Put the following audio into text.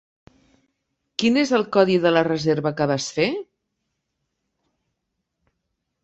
Quin és el codi de la reserva que vas fer?